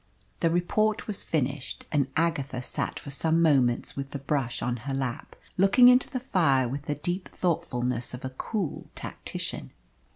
The report was finished, and Agatha sat for some moments with the brush on her lap looking into the fire with the deep thoughtfulness of a cool tactician.